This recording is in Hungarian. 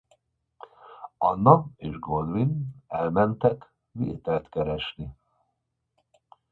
Ana és Goodwin elmennek vételt keresni.